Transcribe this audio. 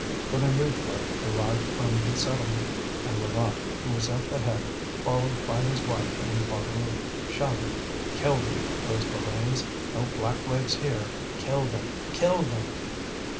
But a new flood arrived from the settlement, and Levaque, who was at the head followed by his wife and Bouteloup, shouted: "Kill them, those Borains! No blacklegs here! Kill them! Kill them!"